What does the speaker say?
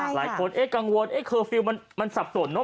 หลายคนกังวลเคอร์ฟิลล์มันสับสนเนอ